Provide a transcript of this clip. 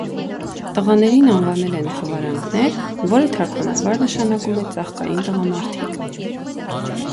Տղաներին անվանել են հվարանգներ, որը թարգմանաբար նշանակում է «ծաղկային տղամարդիկ»։